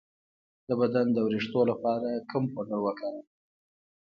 د بدن د ویښتو لپاره کوم پوډر وکاروم؟